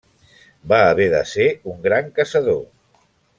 Va haver de ser un gran caçador.